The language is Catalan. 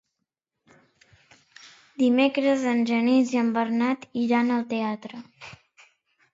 Dimecres en Genís i en Bernat iran al teatre.